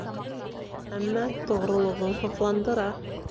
Әммә тоғролоғоң һоҡландыра.